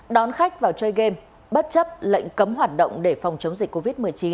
đón khách vào chơi game bất chấp lệnh cấm hoạt động để phòng chống dịch covid một mươi chín